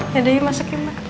ya daya masuk ya mbak